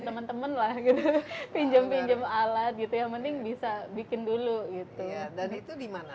teman teman lah gitu pinjam pinjam alat gitu ya mending bisa bikin dulu gitu dan itu dimana